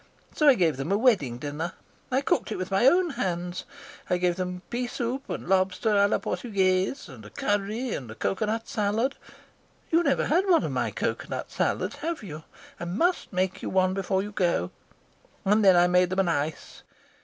So I gave them a wedding dinner. I cooked it with my own hands. I gave them a pea soup and lobster and a curry, and a cocoa nut salad you've never had one of my cocoa nut salads, have you? I must make you one before you go and then I made them an ice.